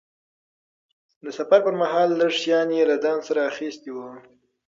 د سفر پرمهال لږ شیان یې له ځانه سره اخیستي وو.